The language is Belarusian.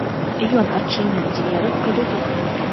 Ён адчыніў дзверы ў калідор.